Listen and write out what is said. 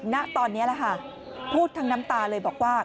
ณตอนนี้แล้วฮะพูดทางน้ำตาเลยบอกว่า